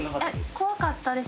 怖かったです。